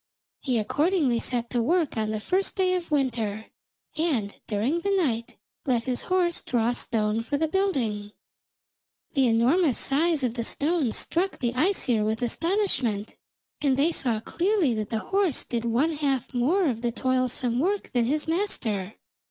He accordingly set to work on the first day of winter, and during the night let his horse draw stone for the building. The enormous size of the stones struck the Æsir with astonishment, and they saw clearly that the horse did one half more of the toilsome work than his master.